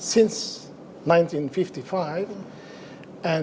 sejak tahun seribu sembilan ratus lima puluh lima